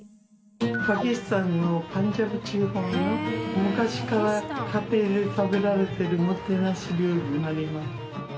パキスタンのパンジャブ地方の昔から家庭で食べられているおもてなし料理になります。